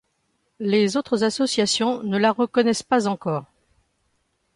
Les autres associations ne la reconnaissent pas encore.